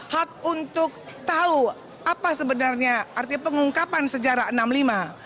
hak untuk tahu apa sebenarnya arti pengungkapan sejarah seribu sembilan ratus enam puluh lima